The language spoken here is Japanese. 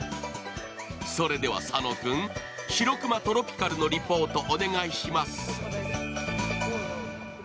それでは佐野君、しろくまトロピカルのリポートお願いします。